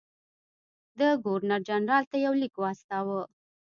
ده ګورنرجنرال ته یو لیک واستاوه.